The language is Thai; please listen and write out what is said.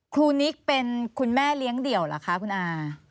นิกเป็นคุณแม่เลี้ยงเดี่ยวเหรอคะคุณอา